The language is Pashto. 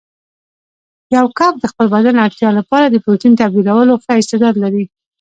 یو کب د خپل بدن اړتیا لپاره د پروتین تبدیلولو ښه استعداد لري.